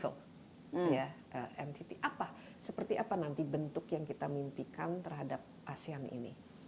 entit apa seperti apa nanti bentuk yang kita mimpikan terhadap asean ini